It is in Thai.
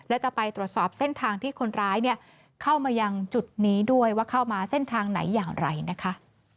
และจะไปตรวจสอบเส้นทางที่คนร้ายเข้ามายังจุดนี้ด้วยว่าเข้ามาเส้นทางไหนอย่างไรนะคะ